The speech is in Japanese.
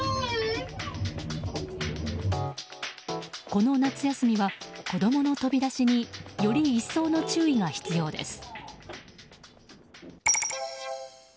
この夏休みは子供の飛び出しにより一層の注意が必要です。